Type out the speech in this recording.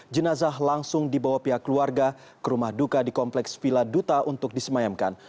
jenazah langsung dibawa pihak keluarga ke rumah duka di kompleks villa duta untuk disemayamkan